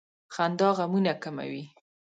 • خندا غمونه کموي.